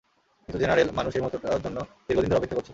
কিন্তু জেনারেল, মানুষ এই মুহূর্তটার জন্য দীর্ঘদিন ধরে অপেক্ষা করছে।